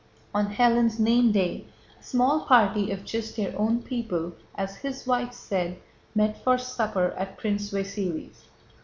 On Hélène's name day, a small party of just their own people—as his wife said—met for supper at Prince Vasíli's.